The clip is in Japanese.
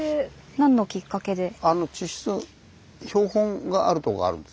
何のきっかけで？